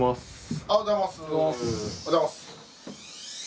おはようございます。